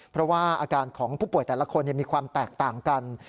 เพราะว่าอาการของผู้ป่วยแต่ละคนมีความแตกต่างกัน